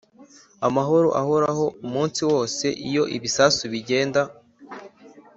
amahoro ahoraho!umunsi wose iyo ibisasu bigenda